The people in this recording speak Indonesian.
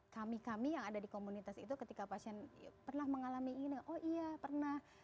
kami kami yang ada di komunitas itu ketika pasien pernah mengalami ini oh iya pernah